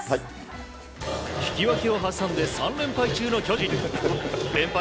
引き分けを挟んで３連敗中の巨人。連敗